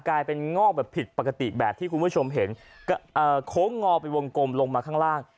กลายเป็นงอกแบบผิดปกติแบบที่คุณผู้ชมเห็นโค้งงอไปวงกลมลงมาข้างล่าง